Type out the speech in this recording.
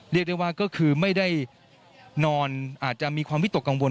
เรียกได้ว่าก็คือไม่ได้นอนอาจจะมีความวิตกกังวล